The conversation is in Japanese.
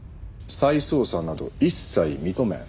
再捜査など一切認めん。